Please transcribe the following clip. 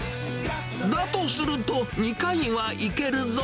だとすると、２回は行けるぞ。